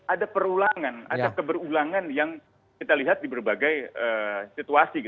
ada perulangan ada keberulangan yang kita lihat di berbagai situasi